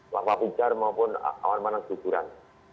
lava pucar maupun awan panas kuburan